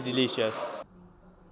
gọi là phong gua